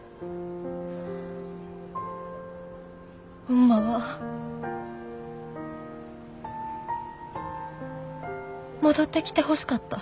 ホンマは戻ってきてほしかった。